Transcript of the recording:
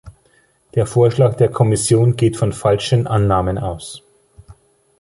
Der Vorschlag der Kommission geht von falschen Annahmen aus.